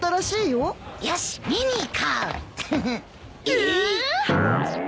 えっ！